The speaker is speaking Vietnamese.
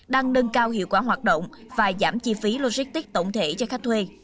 đang nâng cao hiệu quả hoạt động và giảm chi phí logistics tổng thể cho khách thuê